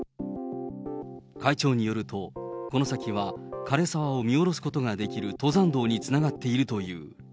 会長によると、この先は、枯れ沢を見下ろすことができる登山道につながっているという。